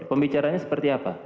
pembicaranya seperti apa